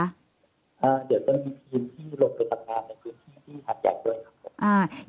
เดี๋ยวก็มีทีมที่หลบไปกับแบบนั้นคือที่ที่หัดใหญ่ด้วยครับ